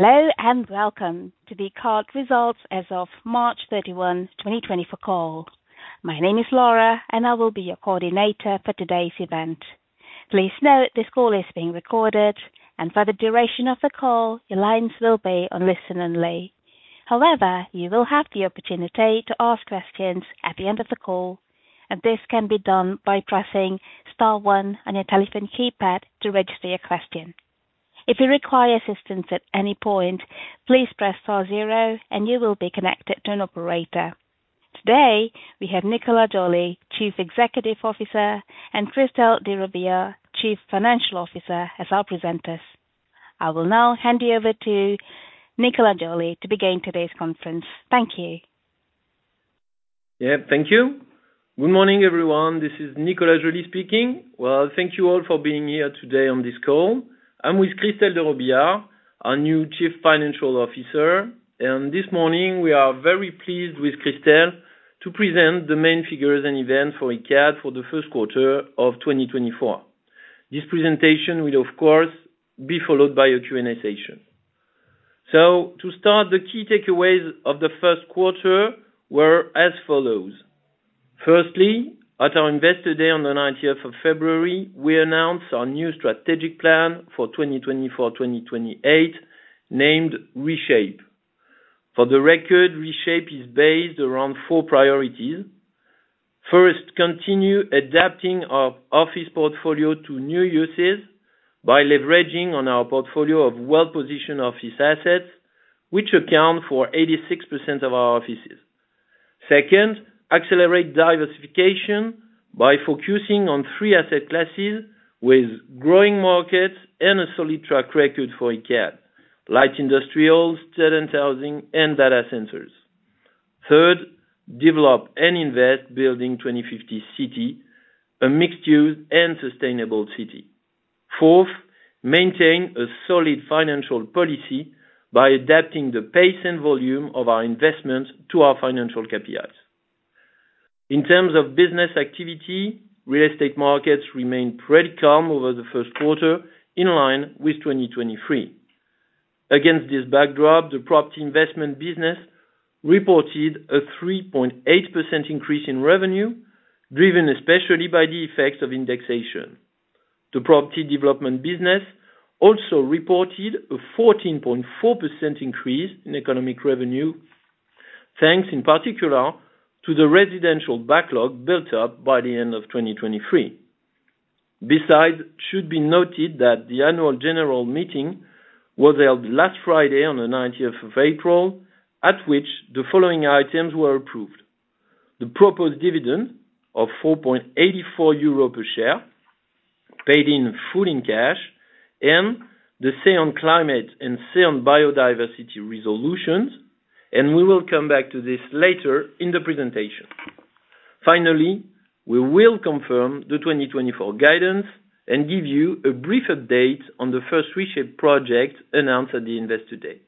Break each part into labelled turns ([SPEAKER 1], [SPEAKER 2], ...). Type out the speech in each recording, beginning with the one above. [SPEAKER 1] Hello and welcome to the Q1 Results as of March 31, 2024 call. My name is Laura, and I will be your coordinator for today's event. Please note this call is being recorded, and for the duration of the call your lines will be on listen only. However, you will have the opportunity to ask questions at the end of the call, and this can be done by pressing star one on your telephone keypad to register your question. If you require assistance at any point, please press star zero and you will be connected to an operator. Today we have Nicolas Joly, Chief Executive Officer, and Christelle de Robillard, Chief Financial Officer, as our presenters. I will now hand you over to Nicolas Joly to begin today's conference. Thank you.
[SPEAKER 2] Yeah, thank you. Good morning, everyone. This is Nicolas Joly speaking. Well, thank you all for being here today on this call. I'm with Christelle de Robillard, our new Chief Financial Officer, and this morning we are very pleased with Christelle to present the main figures and events for Icade for the first quarter of 2024. This presentation will, of course, be followed by a Q&A session. So to start, the key takeaways of the first quarter were as follows. Firstly, at our investor day on the 29th of February, we announced our new strategic plan for 2024-2028 named Reshape. For the record, Reshape is based around four priorities. First, continue adapting our office portfolio to new uses by leveraging on our portfolio of well-positioned office assets, which account for 86% of our offices. Second, accelerate diversification by focusing on three asset classes with growing markets and a solid track record for Icade: light industrials, student housing, and data centers. Third, develop and invest building 2050 City, a mixed-use and sustainable city. Fourth, maintain a solid financial policy by adapting the pace and volume of our investments to our financial KPIs. In terms of business activity, real estate markets remained pretty calm over the first quarter in line with 2023. Against this backdrop, the property investment business reported a 3.8% increase in revenue, driven especially by the effects of indexation. The property development business also reported a 14.4% increase in economic revenue, thanks in particular to the residential backlog built up by the end of 2023. Besides, it should be noted that the annual general meeting was held last Friday on the 19th of April, at which the following items were approved: the proposed dividend of 4.84 euro per share, paid in full in cash, and the Say on Climate and Say on Biodiversity resolutions, and we will come back to this later in the presentation. Finally, we will confirm the 2024 guidance and give you a brief update on the first Reshape project announced at the investor day.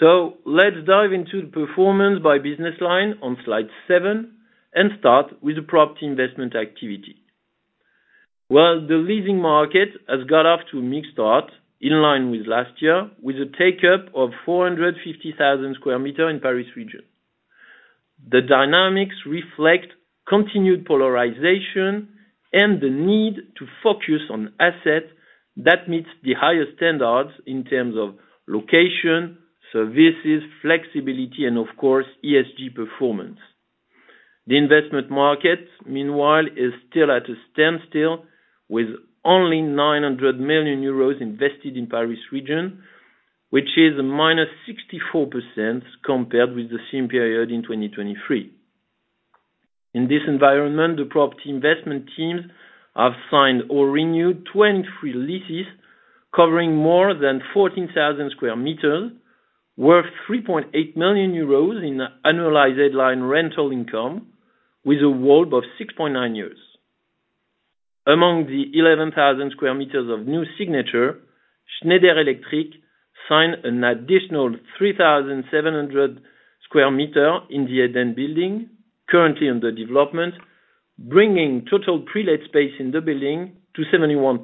[SPEAKER 2] So let's dive into the performance by business line on slide seven and start with the property investment activity. Well, the leasing market has got off to a mixed start in line with last year, with a take-up of 450,000 m² in Paris region. The dynamics reflect continued polarization and the need to focus on assets that meet the highest standards in terms of location, services, flexibility, and, of course, ESG performance. The investment market, meanwhile, is still at a standstill with only 900 million euros invested in Paris region, which is a -64% compared with the same period in 2023. In this environment, the property investment teams have signed or renewed 23 leases covering more than 14,000 m², worth 3.8 million euros in annualized headline rental income, with a WALP of 6.9 years. Among the 11,000 m² of new signature, Schneider Electric signed an additional 3,700 m² in the Edenn building, currently under development, bringing total pre-let space in the building to 71%.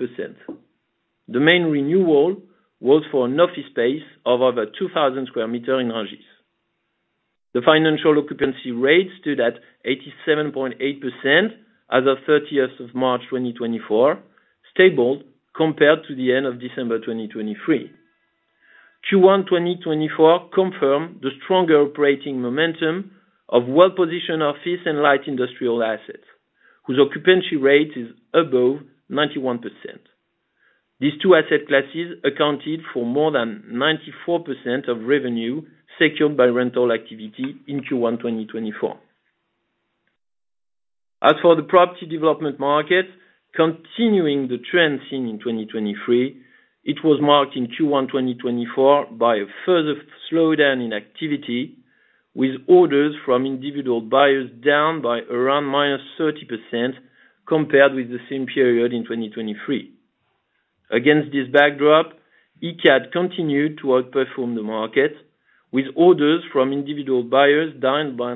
[SPEAKER 2] The main renewal was for an office space of over 2,000 sq m in Rungis. The financial occupancy rate stood at 87.8% as of 30th of March 2024, stable compared to the end of December 2023. Q1 2024 confirmed the stronger operating momentum of well-positioned office and light industrial assets, whose occupancy rate is above 91%. These two asset classes accounted for more than 94% of revenue secured by rental activity in Q1 2024. As for the property development markets, continuing the trend seen in 2023, it was marked in Q1 2024 by a further slowdown in activity, with orders from individual buyers down by around -30% compared with the same period in 2023. Against this backdrop, Icade continued to outperform the market, with orders from individual buyers down by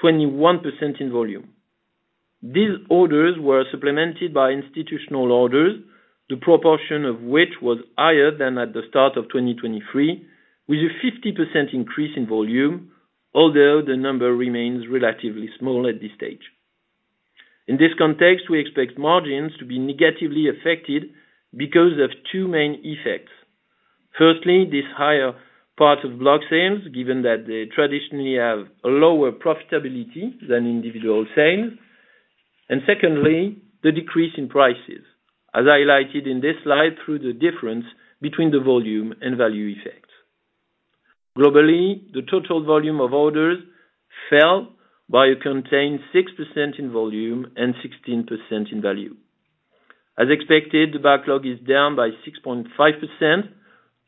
[SPEAKER 2] -21% in volume. These orders were supplemented by institutional orders, the proportion of which was higher than at the start of 2023, with a 50% increase in volume, although the number remains relatively small at this stage. In this context, we expect margins to be negatively affected because of two main effects. Firstly, this higher part of block sales, given that they traditionally have lower profitability than individual sales. Secondly, the decrease in prices, as highlighted in this slide through the difference between the volume and value effects. Globally, the total volume of orders fell by a contained 6% in volume and 16% in value. As expected, the backlog is down by 6.5%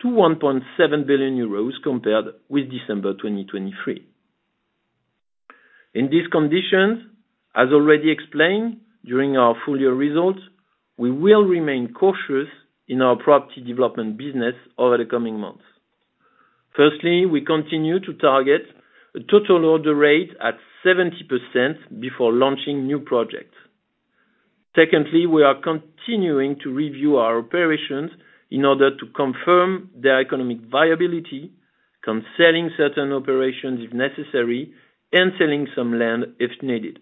[SPEAKER 2] to 1.7 billion euros compared with December 2023. In these conditions, as already explained during our full year results, we will remain cautious in our property development business over the coming months. Firstly, we continue to target a total order rate at 70% before launching new projects. Secondly, we are continuing to review our operations in order to confirm their economic viability, cancelling certain operations if necessary, and selling some land if needed.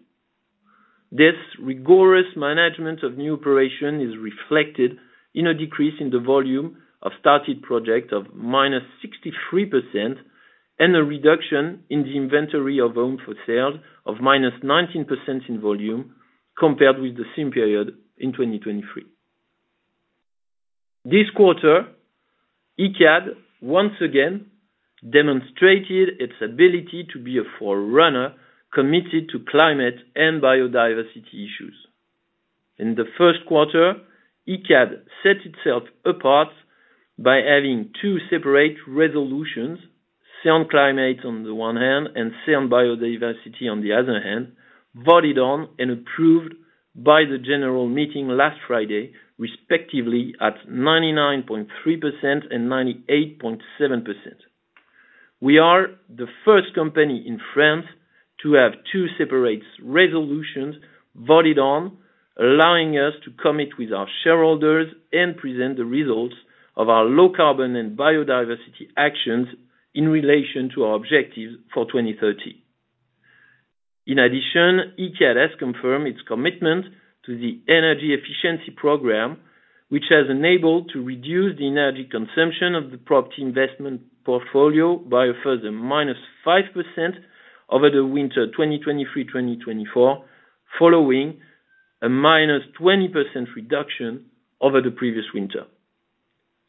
[SPEAKER 2] This rigorous management of new operations is reflected in a decrease in the volume of started projects of -63% and a reduction in the inventory of homes for sale of -19% in volume compared with the same period in 2023. This quarter, Icade once again demonstrated its ability to be a forerunner committed to climate and biodiversity issues. In the first quarter, Icade set itself apart by having two separate resolutions, Say on Climate on the one hand and Say on Biodiversity on the other hand, voted on and approved by the general meeting last Friday, respectively at 99.3% and 98.7%. We are the first company in France to have two separate resolutions voted on, allowing us to commit with our shareholders and present the results of our low-carbon and biodiversity actions in relation to our objectives for 2030. In addition, Icade has confirmed its commitment to the energy efficiency program, which has enabled to reduce the energy consumption of the property investment portfolio by a further -5% over the winter 2023-2024, following a -20% reduction over the previous winter.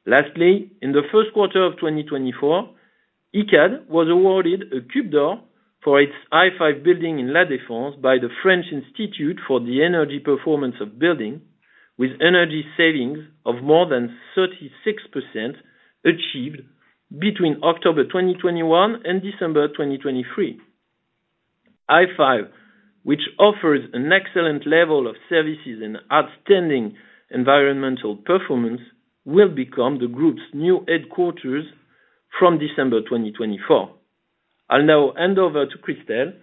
[SPEAKER 2] Lastly, in the first quarter of 2024, Icade was awarded a CUBE d'Or for its I5 building in La Défense by the French Institute for the Energy Performance of Building, with energy savings of more than 36% achieved between October 2021 and December 2023. I5, which offers an excellent level of services and outstanding environmental performance, will become the group's new headquarters from December 2024. I'll now hand over to Christelle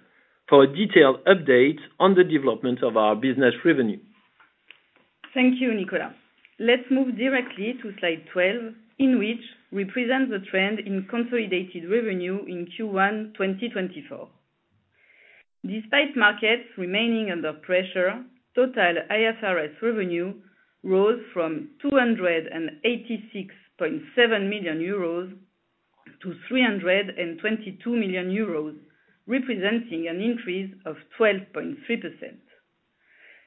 [SPEAKER 2] for a detailed update on the development of our business revenue.
[SPEAKER 3] Thank you, Nicolas. Let's move directly to slide 12, in which we present the trend in consolidated revenue in Q1 2024. Despite markets remaining under pressure, total IFRS revenue rose from 286.7 million euros to 322 million euros, representing an increase of 12.3%.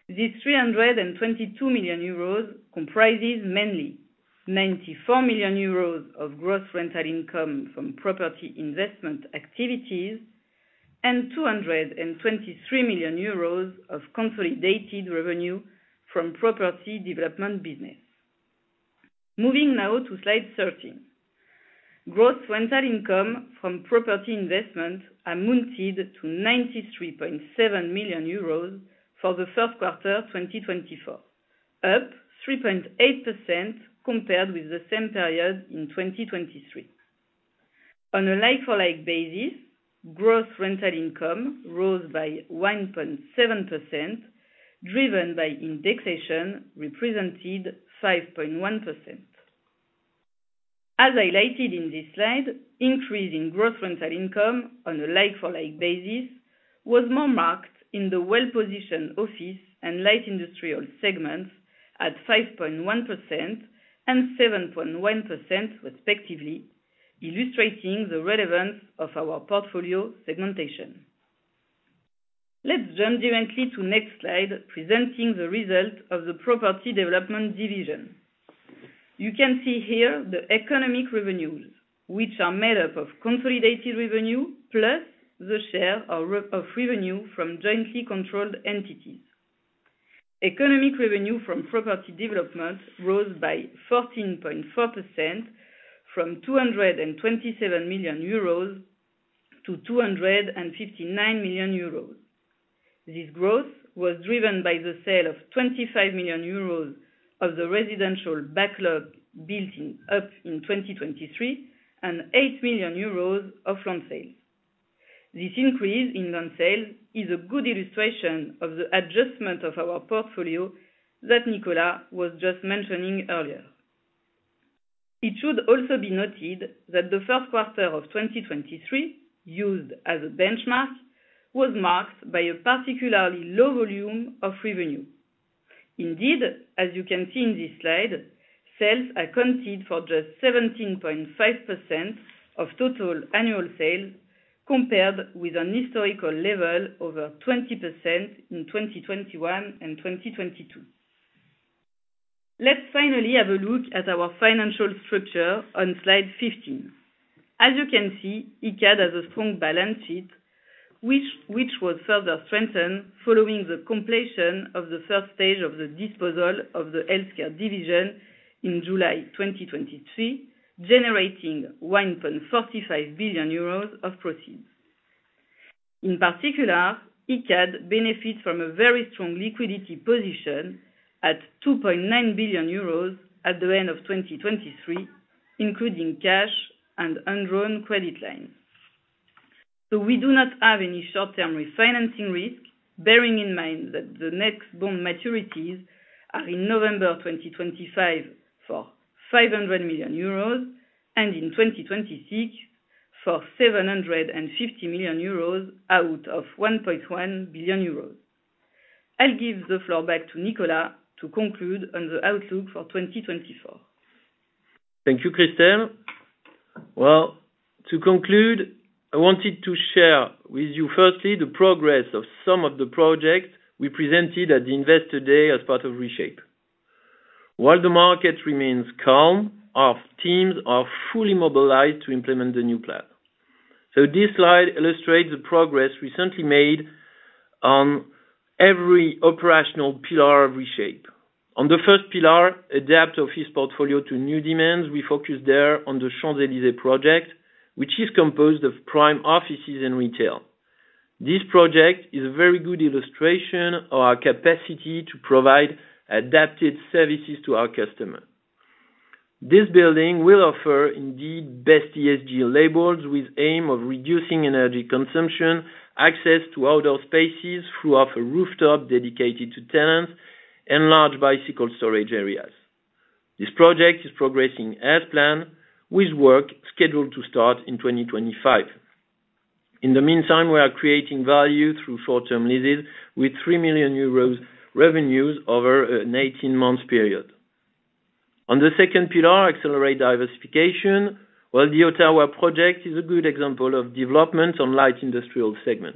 [SPEAKER 3] These 322 million euros comprise mainly 94 million euros of gross rental income from property investment activities and 223 million euros of consolidated revenue from property development business. Moving now to slide 13. Gross rental income from property investment amounted to 93.7 million euros for the first quarter 2024, up 3.8% compared with the same period in 2023. On a like-for-like basis, gross rental income rose by 1.7%, driven by indexation, representing 5.1%. As highlighted in this slide, the increase in gross rental income on a like-for-like basis was more marked in the well-positioned office and light industrial segments at 5.1% and 7.1%, respectively, illustrating the relevance of our portfolio segmentation. Let's jump directly to the next slide, presenting the result of the property development division. You can see here the economic revenues, which are made up of consolidated revenue plus the share of revenue from jointly controlled entities. Economic revenue from property development rose by 14.4% from 227 million euros to 259 million euros. This growth was driven by the sale of 25 million euros of the residential backlog built up in 2023 and 8 million euros of land sales. This increase in land sales is a good illustration of the adjustment of our portfolio that Nicolas was just mentioning earlier. It should also be noted that the first quarter of 2023, used as a benchmark, was marked by a particularly low volume of revenue. Indeed, as you can see in this slide, sales accounted for just 17.5% of total annual sales compared with a historical level over 20% in 2021 and 2022. Let's finally have a look at our financial structure on slide 15. As you can see, Icade has a strong balance sheet, which was further strengthened following the completion of the first stage of the disposal of the healthcare division in July 2023, generating 1.45 billion euros of proceeds. In particular, Icade benefits from a very strong liquidity position at 2.9 billion euros at the end of 2023, including cash and undrawn credit lines. We do not have any short-term refinancing risk, bearing in mind that the next bond maturities are in November 2025 for 500 million euros and in 2026 for 750 million euros out of 1.1 billion euros. I'll give the floor back to Nicolas to conclude on the outlook for 2024.
[SPEAKER 2] Thank you, Christelle. Well, to conclude, I wanted to share with you, firstly, the progress of some of the projects we presented at the investor day as part of Reshape. While the market remains calm, our teams are fully mobilized to implement the new plan. So this slide illustrates the progress recently made on every operational pillar of Reshape. On the first pillar, adapt office portfolio to new demands, we focused there on the Champs-Élysées project, which is composed of prime offices and retail. This project is a very good illustration of our capacity to provide adapted services to our customers. This building will offer, indeed, best ESG labels with the aim of reducing energy consumption, access to outdoor spaces throughout a rooftop dedicated to tenants, and large bicycle storage areas. This project is progressing as planned, with work scheduled to start in 2025. In the meantime, we are creating value through short-term leases with 3 million euros revenues over an 18-month period. On the second pillar, accelerate diversification, while the Ottawa project is a good example of development on the light industrial segment.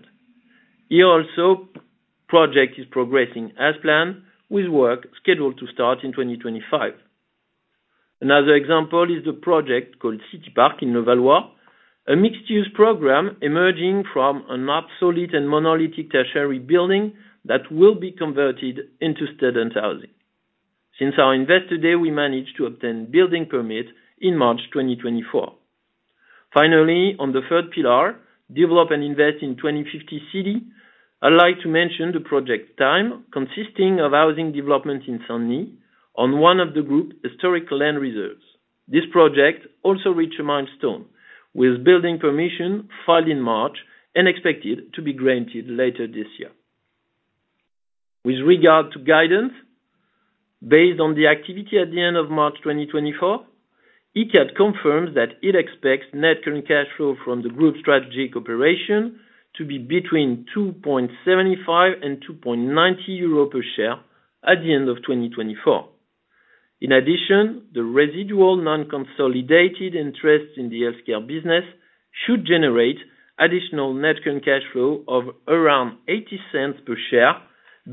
[SPEAKER 2] Here also, the project is progressing as planned, with work scheduled to start in 2025. Another example is the project called City Park in Levallois, a mixed-use program emerging from an obsolete and monolithic tertiary building that will be converted into student housing. Since our investor day, we managed to obtain a building permit in March 2024. Finally, on the third pillar, develop and invest in 2050 City, I'd like to mention the Stamm project, consisting of housing development in Saint-Denis on one of the group's historic land reserves. This project also reached a milestone, with building permit filed in March and expected to be granted later this year. With regard to guidance, based on the activity at the end of March 2024, Icade confirms that it expects net current cash flow from the group's strategic operation to be between 2.75 and 2.90 euro per share at the end of 2024. In addition, the residual non-consolidated interest in the healthcare business should generate additional net current cash flow of around 0.80 per share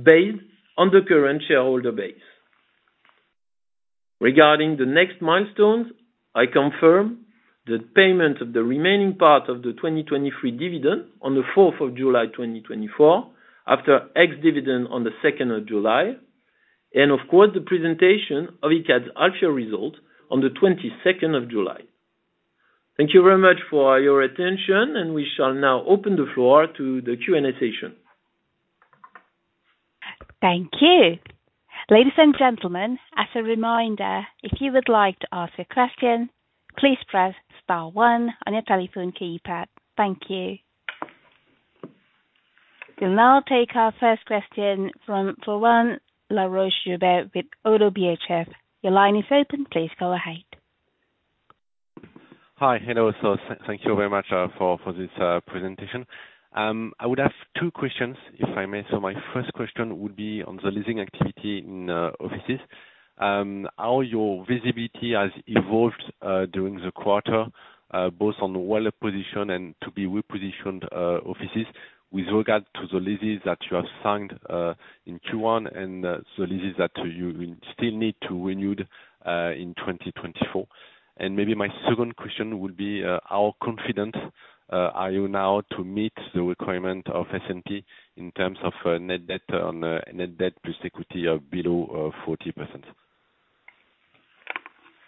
[SPEAKER 2] based on the current shareholder base. Regarding the next milestones, I confirm the payment of the remaining part of the 2023 dividend on the 4th of July 2024, after ex-dividend on the 2nd of July, and, of course, the presentation of Icade's half-year result on the 22nd of July. Thank you very much for your attention, and we shall now open the floor to the Q&A session.
[SPEAKER 1] Thank you. Ladies and gentlemen, as a reminder, if you would like to ask a question, please press star one on your telephone keypad. Thank you. We'll now take our first question from Florent Laroche-Joubert with ODDO BHF. Your line is open. Please go ahead.
[SPEAKER 4] Hi. Hello. Thank you very much for this presentation. I would have two questions, if I may. My first question would be on the leasing activity in offices. How has your visibility evolved during the quarter, both on the well-positioned and to-be-repositioned offices, with regard to the leases that you have signed in Q1 and the leases that you still need to renew in 2024? And maybe my second question would be, how confident are you now to meet the requirement of S&P in terms of net debt plus equity below 40%?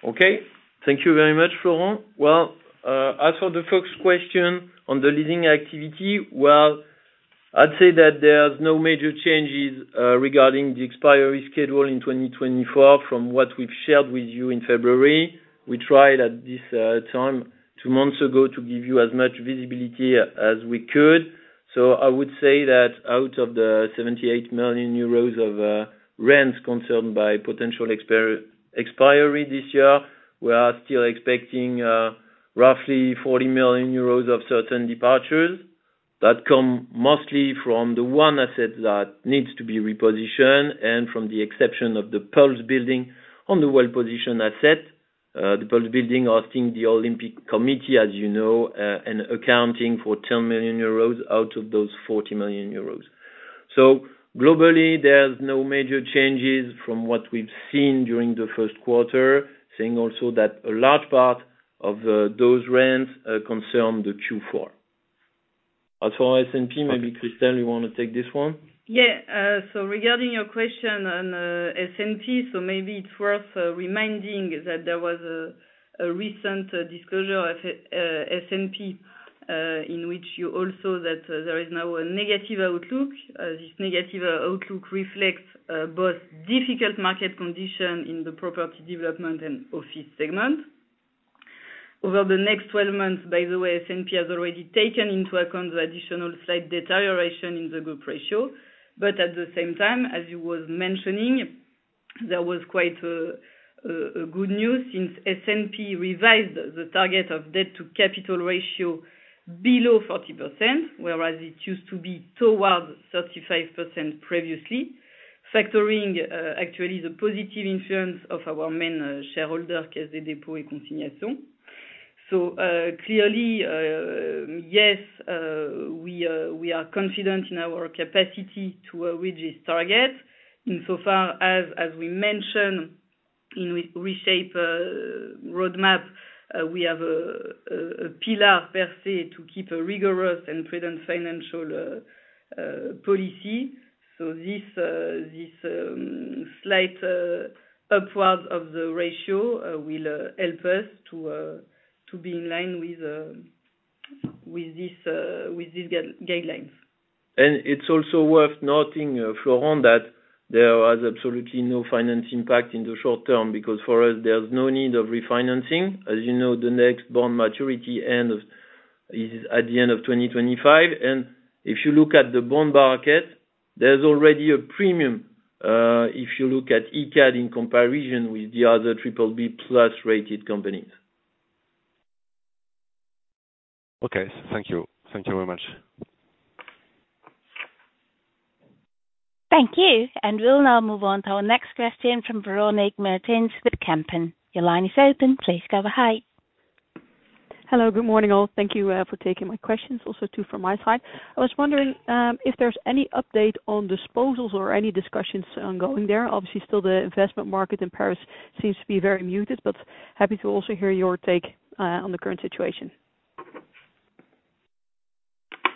[SPEAKER 2] Okay. Thank you very much, Florent. Well, as for the first question on the leasing activity, well, I'd say that there are no major changes regarding the expiry schedule in 2024 from what we've shared with you in February. We tried at this time, two months ago, to give you as much visibility as we could. So I would say that out of the 78 million euros of rents concerned by potential expiry this year, we are still expecting roughly 40 million euros of certain departures that come mostly from the one asset that needs to be repositioned and from the exception of the Pulse building on the well-positioned asset. The Pulse building hosting the Olympic Committee, as you know, and accounting for 10 million euros out of those 40 million euros. So globally, there are no major changes from what we've seen during the first quarter, saying also that a large part of those rents concern the Q4. As for S&P, maybe Christelle, you want to take this one?
[SPEAKER 3] Yeah. So regarding your question on S&P, so maybe it's worth reminding that there was a recent disclosure of S&P in which you also said that there is now a negative outlook. This negative outlook reflects both difficult market conditions in the property development and office segment. Over the next 12 months, by the way, S&P has already taken into account the additional slight deterioration in the group ratio. But at the same time, as you were mentioning, there was quite good news since S&P revised the target of debt-to-capital ratio below 40%, whereas it used to be towards 35% previously, factoring actually the positive influence of our main shareholder, Caisse des Dépôts et Consignations. So clearly, yes, we are confident in our capacity to reach this target insofar as, as we mentioned in Reshape roadmap, we have a pillar per se to keep a rigorous and prudent financial policy. This slight upward of the ratio will help us to be in line with these guidelines.
[SPEAKER 2] It's also worth noting, Florent, that there is absolutely no financial impact in the short term because for us, there is no need of refinancing. As you know, the next bond maturity end is at the end of 2025. If you look at the bond market, there is already a premium if you look at Icade in comparison with the other BBB-plus rated companies.
[SPEAKER 4] Okay. Thank you. Thank you very much.
[SPEAKER 3] Thank you. And we'll now move on to our next question from Véronique Meertens with Kempen. Your line is open. Please go ahead.
[SPEAKER 5] Hello. Good morning, all. Thank you for taking my questions, also two from my side. I was wondering if there's any update on disposals or any discussions ongoing there. Obviously, still, the investment market in Paris seems to be very muted, but happy to also hear your take on the current situation.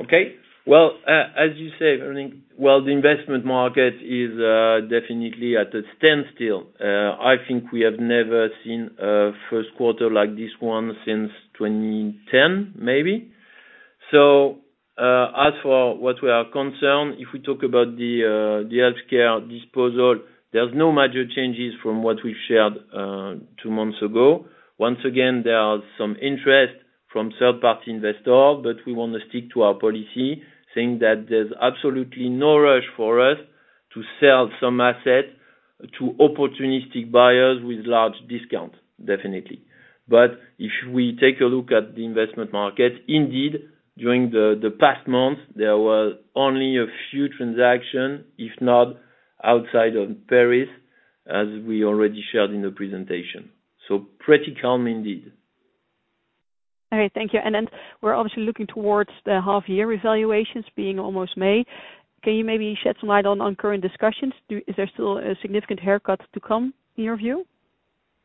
[SPEAKER 2] Okay. Well, as you say, I mean, well, the investment market is definitely at a standstill. I think we have never seen a first quarter like this one since 2010, maybe. So as for what we are concerned, if we talk about the healthcare disposal, there are no major changes from what we've shared two months ago. Once again, there is some interest from third-party investors, but we want to stick to our policy, saying that there's absolutely no rush for us to sell some assets to opportunistic buyers with large discounts, definitely. But if we take a look at the investment market, indeed, during the past months, there were only a few transactions, if not outside of Paris, as we already shared in the presentation. So pretty calm, indeed.
[SPEAKER 5] All right. Thank you. And we're obviously looking towards the half-year evaluations, being almost May. Can you maybe shed some light on current discussions? Is there still a significant haircut to come, in your view?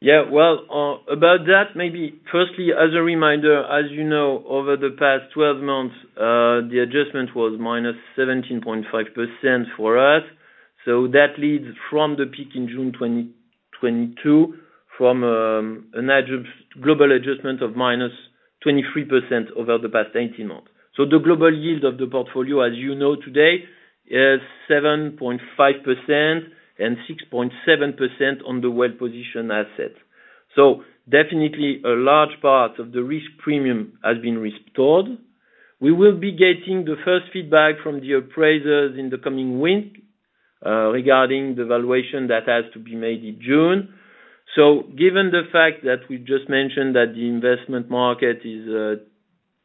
[SPEAKER 2] Yeah. Well, about that, maybe firstly, as a reminder, as you know, over the past 12 months, the adjustment was -17.5% for us. So that leads from the peak in June 2022 from a global adjustment of -23% over the past 18 months. So the global yield of the portfolio, as you know today, is 7.5% and 6.7% on the well-positioned assets. So definitely, a large part of the risk premium has been restored. We will be getting the first feedback from the appraisers in the coming week regarding the valuation that has to be made in June. So given the fact that we've just mentioned that the investment market is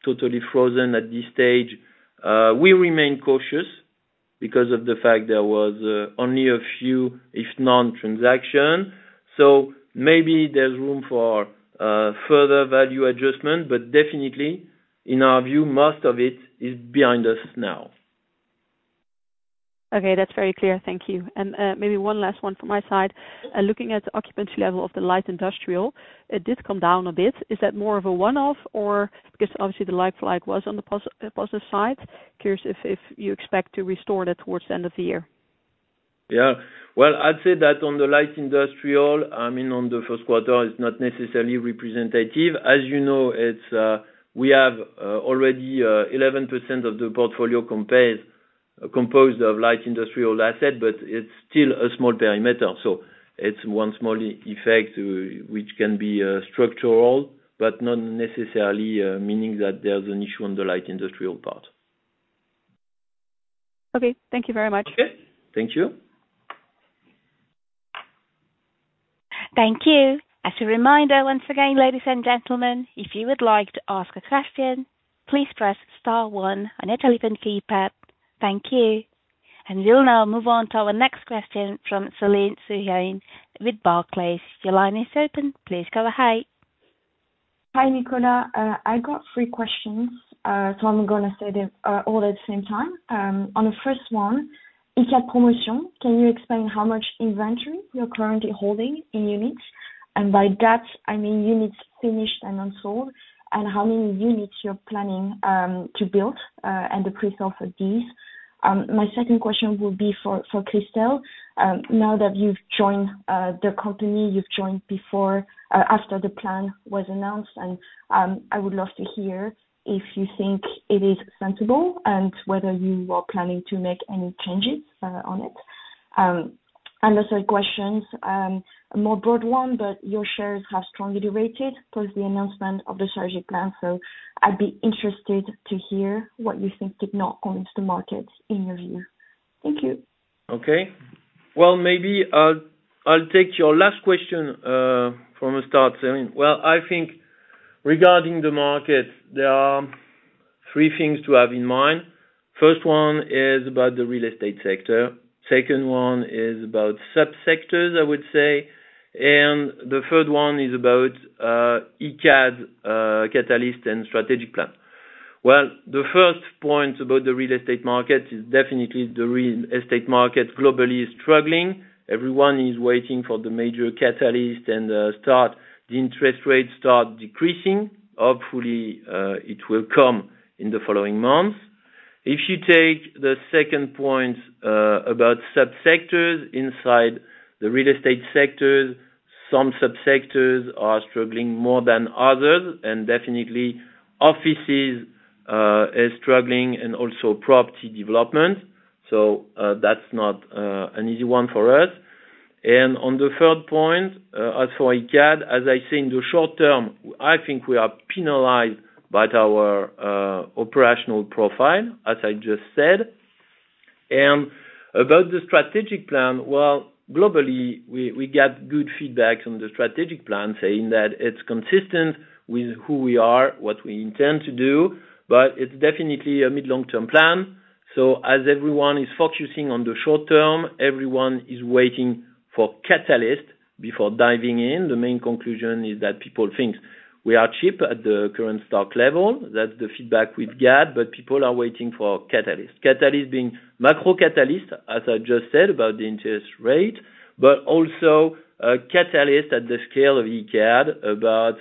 [SPEAKER 2] totally frozen at this stage, we remain cautious because of the fact there were only a few, if none, transactions. So maybe there's room for further value adjustment, but definitely, in our view, most of it is behind us now.
[SPEAKER 5] Okay. That's very clear. Thank you. Maybe one last one from my side. Looking at the occupancy level of the light industrial, it did come down a bit. Is that more of a one-off or because obviously, the like-for-like was on the positive side, curious if you expect to restore that towards the end of the year?
[SPEAKER 2] Yeah. Well, I'd say that on the light industrial, I mean, on the first quarter, it's not necessarily representative. As you know, we have already 11% of the portfolio composed of light industrial assets, but it's still a small perimeter. So it's one small effect which can be structural but not necessarily meaning that there's an issue on the light industrial part.
[SPEAKER 5] Okay. Thank you very much.
[SPEAKER 2] Okay. Thank you.
[SPEAKER 1] Thank you. As a reminder, once again, ladies and gentlemen, if you would like to ask a question, please press star one on your telephone keypad. Thank you. We'll now move on to our next question from Céline Huynh with Barclays. Your line is open. Please go ahead.
[SPEAKER 6] Hi, Nicolas. I got three questions, so I'm going to say them all at the same time. On the first one, Icade Promotion, can you explain how much inventory you're currently holding in units? And by that, I mean units finished and unsold and how many units you're planning to build and the pre-sale for these. My second question would be for Christelle. Now that you've joined the company, you've joined before after the plan was announced, and I would love to hear if you think it is sensible and whether you are planning to make any changes on it. And also a question, a more broad one, but your shares have strongly de-rated post the announcement of the strategy plan. So I'd be interested to hear what you think did not convince the market, in your view. Thank you.
[SPEAKER 2] Okay. Well, maybe I'll take your last question from the start, Céline. Well, I think regarding the market, there are three things to have in mind. First one is about the real estate sector. Second one is about subsectors, I would say. And the third one is about Icade's catalyst and strategic plan. Well, the first point about the real estate market is definitely the real estate market globally is struggling. Everyone is waiting for the major catalyst and the interest rates start decreasing. Hopefully, it will come in the following months. If you take the second point about subsectors, inside the real estate sectors, some subsectors are struggling more than others. And definitely, offices are struggling and also property development. So that's not an easy one for us. On the third point, as for Icade, as I say, in the short term, I think we are penalized by our operational profile, as I just said. About the strategic plan, well, globally, we got good feedback on the strategic plan, saying that it's consistent with who we are, what we intend to do, but it's definitely a mid-long-term plan. As everyone is focusing on the short term, everyone is waiting for catalyst before diving in. The main conclusion is that people think we are cheap at the current stock level. That's the feedback we've got. People are waiting for catalyst, catalyst being macro catalyst, as I just said, about the interest rate, but also catalyst at the scale of Icade about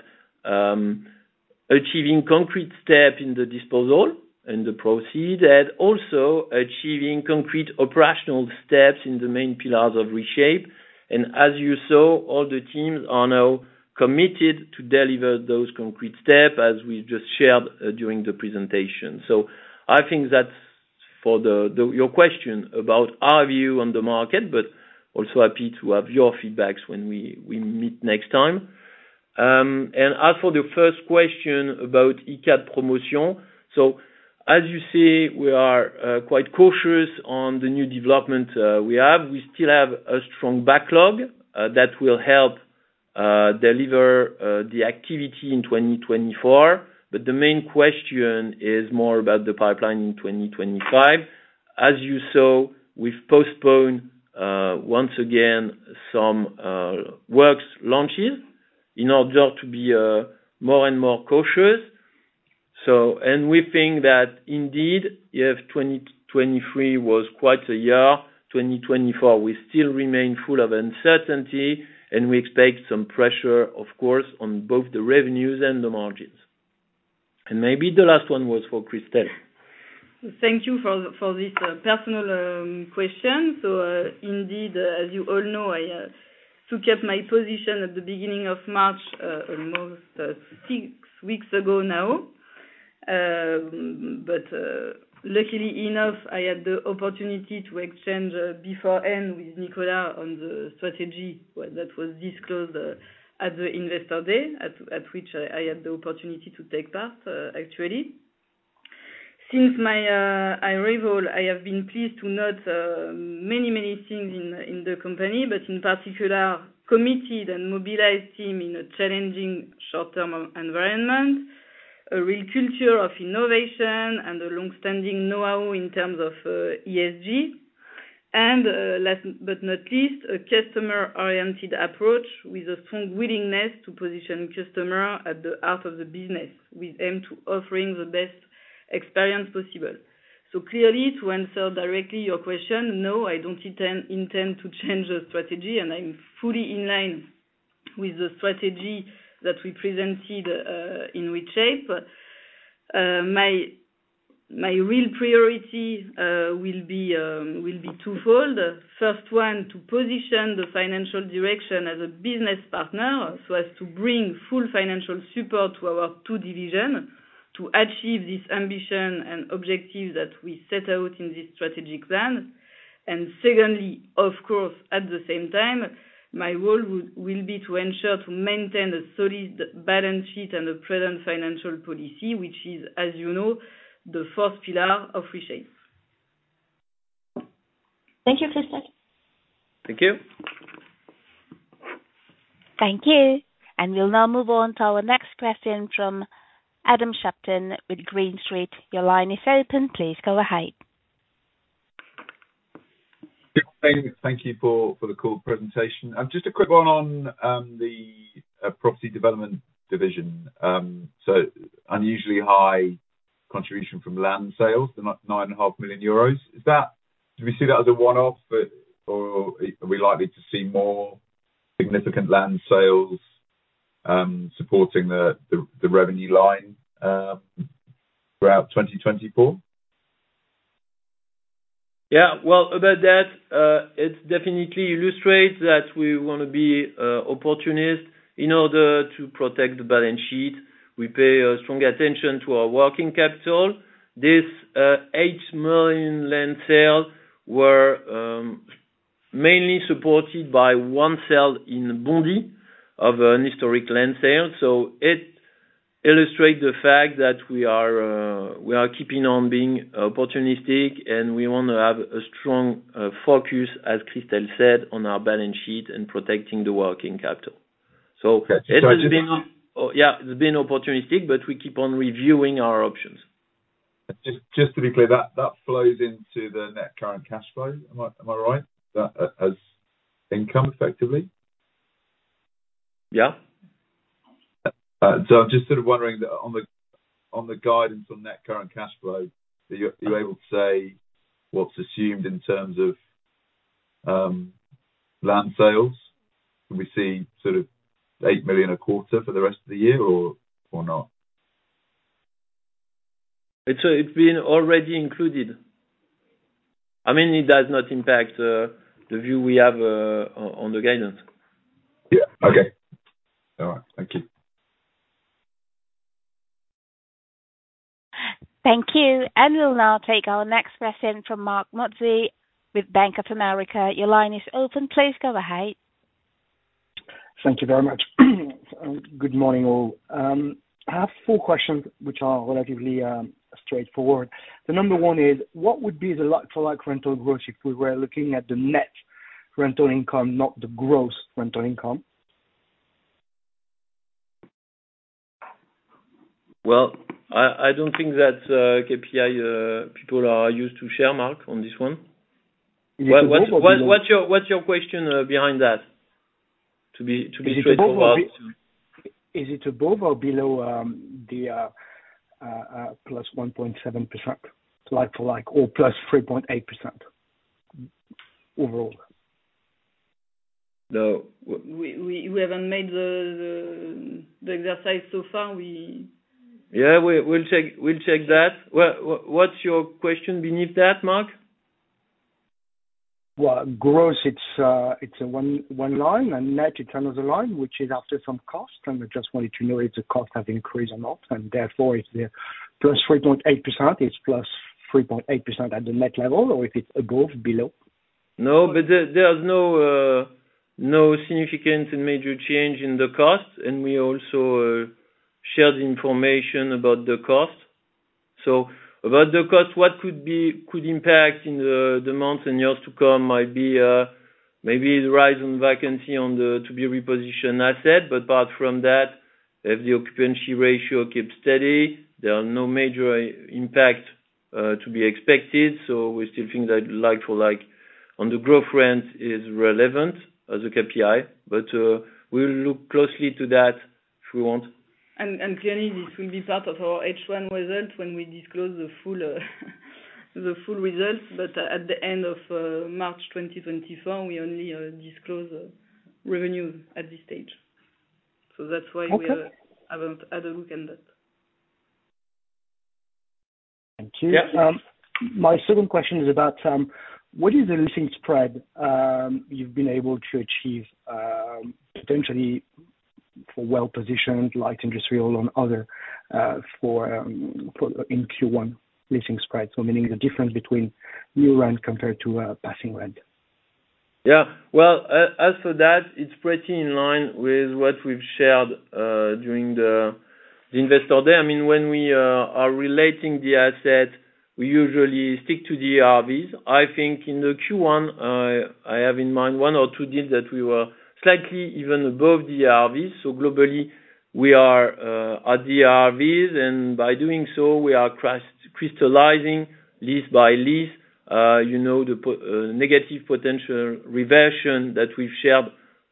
[SPEAKER 2] achieving concrete steps in the disposal and the proceeds and also achieving concrete operational steps in the main pillars of Reshape. As you saw, all the teams are now committed to deliver those concrete steps, as we've just shared during the presentation. I think that's for your question about our view on the market, but also happy to have your feedback when we meet next time. As for the first question about Icade Promotion, so as you say, we are quite cautious on the new development we have. We still have a strong backlog that will help deliver the activity in 2024. The main question is more about the pipeline in 2025. As you saw, we've postponed once again some works, launches, in order to be more and more cautious. We think that indeed, if 2023 was quite a year, 2024 will still remain full of uncertainty. We expect some pressure, of course, on both the revenues and the margins. Maybe the last one was for Christelle.
[SPEAKER 3] Thank you for this personal question. So indeed, as you all know, I took up my position at the beginning of March, almost six weeks ago now. But luckily enough, I had the opportunity to exchange beforehand with Nicolas on the strategy that was disclosed at the investor day, at which I had the opportunity to take part, actually. Since my arrival, I have been pleased to note many, many things in the company, but in particular, a committed and mobilized team in a challenging short-term environment, a real culture of innovation, and a long-standing know-how in terms of ESG. And last but not least, a customer-oriented approach with a strong willingness to position customers at the heart of the business with aim to offer the best experience possible. So clearly, to answer directly your question, no, I don't intend to change the strategy, and I'm fully in line with the strategy that we presented in Reshape. My real priority will be twofold. First one, to position the financial direction as a business partner so as to bring full financial support to our two divisions to achieve this ambition and objective that we set out in this strategic plan. And secondly, of course, at the same time, my role will be to ensure to maintain a solid balance sheet and a prudent financial policy, which is, as you know, the fourth pillar of Reshape.
[SPEAKER 6] Thank you, Christelle.
[SPEAKER 2] Thank you.
[SPEAKER 1] Thank you. We'll now move on to our next question from Adam Shapton with Green Street. Your line is open. Please go ahead.
[SPEAKER 7] Thank you for the cool presentation. Just a quick one on the property development division. So unusually high contribution from land sales, the 9.5 million euros. Do we see that as a one-off, or are we likely to see more significant land sales supporting the revenue line throughout 2024?
[SPEAKER 2] Yeah. Well, that definitely illustrates that we want to be opportunistic. In order to protect the balance sheet, we pay strong attention to our working capital. These 8 million land sales were mainly supported by one sale in Bondy of an historic land sale. So it illustrates the fact that we are keeping on being opportunistic, and we want to have a strong focus, as Christelle said, on our balance sheet and protecting the working capital. So it has been opportunistic, but we keep on reviewing our options.
[SPEAKER 7] Just to be clear, that flows into the net current cash flow, am I right? That as income, effectively?
[SPEAKER 2] Yeah.
[SPEAKER 7] I'm just sort of wondering, on the guidance on net current cash flow, are you able to say what's assumed in terms of land sales? Do we see sort of 8 million a quarter for the rest of the year, or not?
[SPEAKER 2] It's been already included. I mean, it does not impact the view we have on the guidance.
[SPEAKER 7] Yeah. Okay. All right. Thank you.
[SPEAKER 1] Thank you. We'll now take our next question from Marc Mozzi with Bank of America. Your line is open. Please go ahead.
[SPEAKER 8] Thank you very much. Good morning, all. I have four questions, which are relatively straightforward. The number one is, what would be the like-for-like rental growth if we were looking at the net rental income, not the gross rental income?
[SPEAKER 2] Well, I don't think that KPI people are used to share, Marc, on this one.
[SPEAKER 8] Is it above or below?
[SPEAKER 2] What's your question behind that, to be straightforward?
[SPEAKER 8] Is it above or below? Is it above or below the +1.7% like-for-like or +3.8% overall?
[SPEAKER 2] No.
[SPEAKER 3] We haven't made the exercise so far. We.
[SPEAKER 2] Yeah. We'll check that. What's your question beneath that, Marc?
[SPEAKER 8] Well, gross, it's one line, and net, it's another line, which is after some cost. And I just wanted to know if the cost has increased or not? And therefore, if the +3.8%, it's +3.8% at the net level, or if it's above, below?
[SPEAKER 2] No, but there's no significant and major change in the cost, and we also shared information about the cost. So about the cost, what could impact in the months and years to come might be maybe the rise in vacancy to be repositioned assets. But apart from that, if the occupancy ratio keeps steady, there are no major impacts to be expected. So we still think that like-for-like on the growth front is relevant as a KPI. But we'll look closely to that if we want.
[SPEAKER 3] Clearly, this will be part of our H1 result when we disclose the full results. At the end of March 2024, we only disclose revenues at this stage. That's why we haven't had a look at that.
[SPEAKER 8] Thank you. My second question is about what is the leasing spread you've been able to achieve potentially for well-positioned, light industrial, and other in Q1 leasing spreads? So meaning the difference between new rent compared to passing rent.
[SPEAKER 2] Yeah. Well, as for that, it's pretty in line with what we've shared during the investor day. I mean, when we are relating the assets, we usually stick to the RVs. I think in the Q1, I have in mind one or two deals that we were slightly even above the RVs. So globally, we are at the RVs. And by doing so, we are crystallising lease by lease the negative potential reversion that we've shared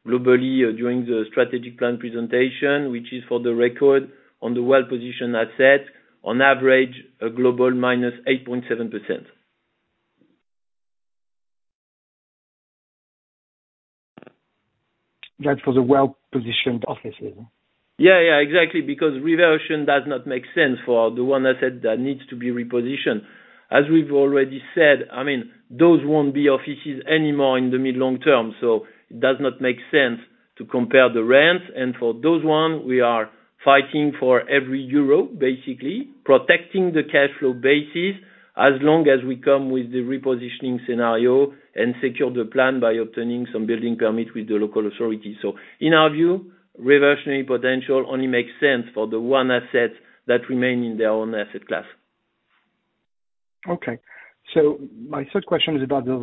[SPEAKER 2] globally during the strategic plan presentation, which is, for the record, on the well-positioned assets, on average, a global -8.7%.
[SPEAKER 8] That's for the well-positioned offices, no?
[SPEAKER 2] Yeah. Yeah. Exactly. Because reversion does not make sense for the one asset that needs to be repositioned. As we've already said, I mean, those won't be offices anymore in the mid-long term. So it does not make sense to compare the rents. And for those ones, we are fighting for every euro, basically, protecting the cash flow basis as long as we come with the repositioning scenario and secure the plan by obtaining some building permit with the local authorities. So in our view, reversionary potential only makes sense for the one assets that remain in their own asset class.
[SPEAKER 8] Okay. So my third question is about those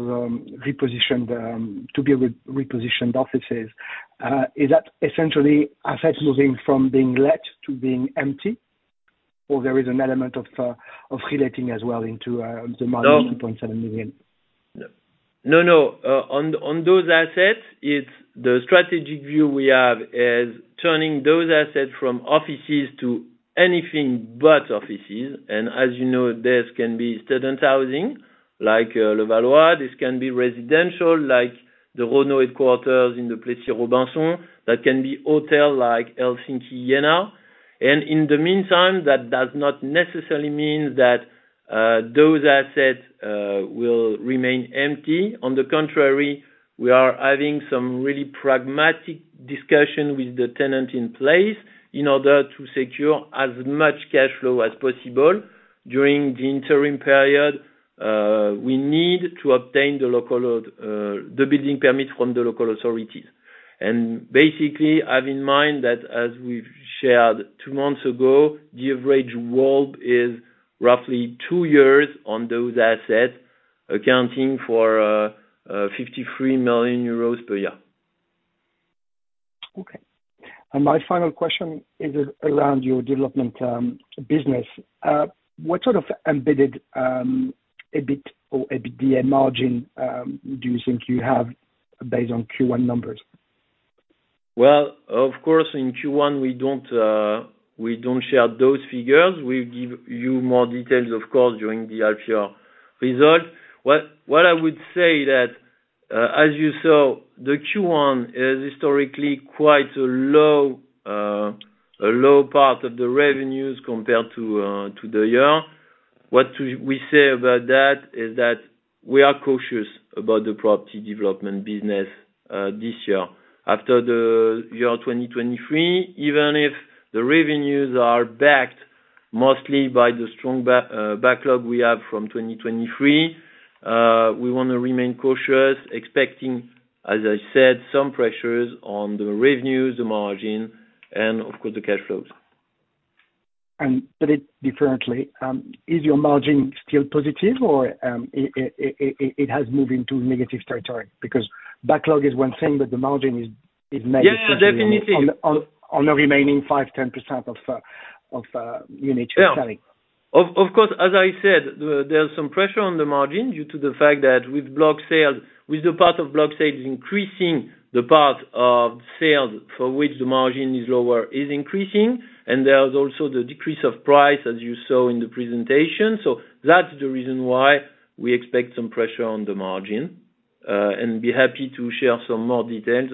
[SPEAKER 8] repositioned to be repositioned offices. Is that essentially assets moving from being let to being empty, or there is an element of relating as well into the money of 2.7 million?
[SPEAKER 2] No. No, no. On those assets, the strategic view we have is turning those assets from offices to anything but offices. And as you know, this can be student housing like Levallois. This can be residential like the Renault headquarters in Le Plessis-Robinson. That can be hotel like Helsinki Jenna. And in the meantime, that does not necessarily mean that those assets will remain empty. On the contrary, we are having some really pragmatic discussion with the tenant in place in order to secure as much cash flow as possible during the interim period we need to obtain the building permit from the local authorities. And basically, have in mind that, as we've shared two months ago, the average WALP is roughly two years on those assets, accounting for 53 million euros per year.
[SPEAKER 8] Okay. My final question is around your development business. What sort of embedded EBIT or EBITDA margin do you think you have based on Q1 numbers?
[SPEAKER 2] Well, of course, in Q1, we don't share those figures. We give you more details, of course, during the half-year result. What I would say is that, as you saw, the Q1 is historically quite a low part of the revenues compared to the year. What we say about that is that we are cautious about the property development business this year. After the year 2023, even if the revenues are backed mostly by the strong backlog we have from 2023, we want to remain cautious, expecting, as I said, some pressures on the revenues, the margin, and, of course, the cash flows.
[SPEAKER 8] Put it differently, is your margin still positive, or it has moved into negative territory? Because backlog is one thing, but the margin is negative potentially on the remaining 5%-10% of unit you're selling.
[SPEAKER 2] Yeah. Of course, as I said, there's some pressure on the margin due to the fact that with block sales, with the part of block sales increasing, the part of sales for which the margin is lower is increasing. And there's also the decrease of price, as you saw in the presentation. So that's the reason why we expect some pressure on the margin. And be happy to share some more details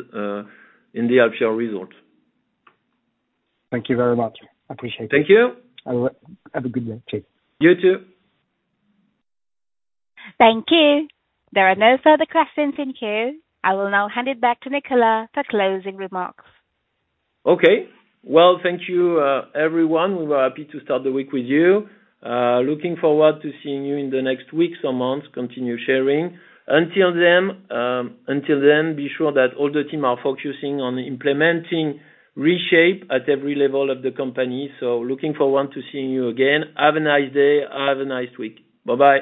[SPEAKER 2] in the half-year result.
[SPEAKER 8] Thank you very much. I appreciate it.
[SPEAKER 2] Thank you.
[SPEAKER 8] Have a good day. Cheers.
[SPEAKER 2] You too.
[SPEAKER 1] Thank you. There are no further questions in queue. I will now hand it back to Nicolas for closing remarks.
[SPEAKER 2] Okay. Well, thank you, everyone. We were happy to start the week with you. Looking forward to seeing you in the next weeks or months. Continue sharing. Until then, be sure that all the team are focusing on implementing Reshape at every level of the company. So looking forward to seeing you again. Have a nice day. Have a nice week. Bye-bye.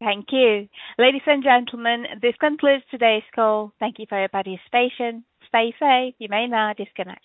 [SPEAKER 1] Thank you. Ladies and gentlemen, this concludes today's call. Thank you for your participation. Stay safe. You may now disconnect.